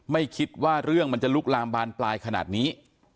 ไม่คิดว่าเรื่องมันจะลุกลามบานปลายขนาดนี้